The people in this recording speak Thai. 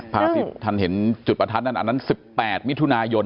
ภาพที่ท่านเห็นจุดประทัดนั่นอันนั้น๑๘มิถุนายน